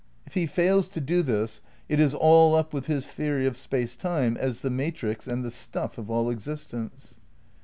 If he fails to do this it is all up with his theory of Space Time as the matrix and the stuff of all existents.